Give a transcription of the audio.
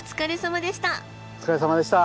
お疲れさまでした。